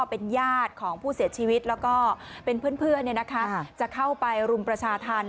เป็นญาติของผู้เสียชีวิตแล้วก็เป็นเพื่อนจะเข้าไปรุมประชาธรรม